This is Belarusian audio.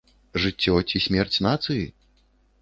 Жыццё ці смерць нацыі?